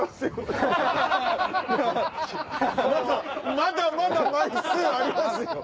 まだまだ枚数ありますよ。